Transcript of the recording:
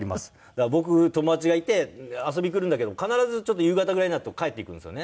だから僕友達がいて遊びに来るんだけど必ず夕方ぐらいになると帰っていくんですよね。